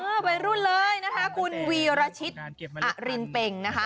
วัยรุ่นเลยนะคะคุณวีรชิตอรินเป็งนะคะ